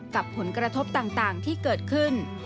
กับผลกระทบต่างที่เกิดขึ้น